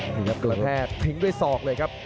ปฏิเสธทิ้งด้วยศอกเลยครับ